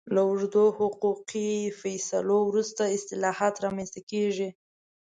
له اوږدو حقوقي فیصلو وروسته اصلاحات رامنځته کېږي.